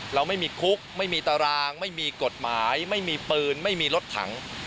เราไม่มีคุกไม่มีตารางไม่มีกฎหมายไม่มีปืนไม่มีรถถัง